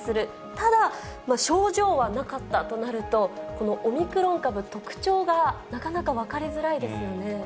ただ症状はなかったとなると、このオミクロン株、特徴がなかなか分かりづらいですよね。